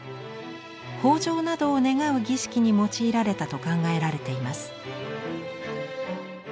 豊穣などを願う儀式に用いられたと考えられています。